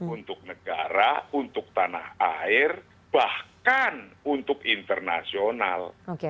untuk negara untuk tanah air bahkan untuk internasional